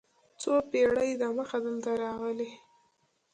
څو پېړۍ دمخه دلته راغلي.